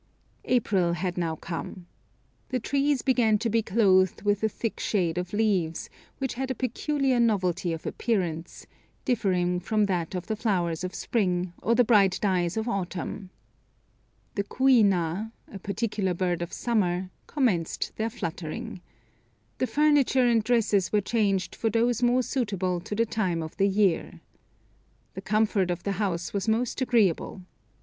April had now come. The trees began to be clothed with a thick shade of leaves, which had a peculiar novelty of appearance, differing from that of the flowers of spring, or the bright dyes of autumn. The Kuina (a particular bird of summer) commenced their fluttering. The furniture and dresses were changed for those more suitable to the time of year. The comfort of the house was most agreeable.